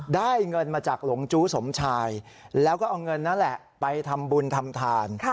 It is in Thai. ได้เงินมาจากหลงจู้สมชายแล้วก็เอาเงินนั่นแหละไปทำบุญทำทาน